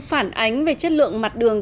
phản ánh về chất lượng mặt đường